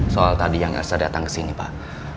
soal tadi yang saya datang ke sini pak